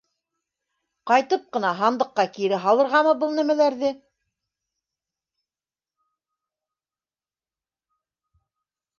Ҡайтып ҡына һандыҡҡа кире һалырғамы был нәмәләрҙе?